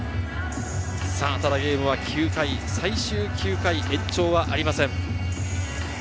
ゲームは９回、最終９回、延長はありません。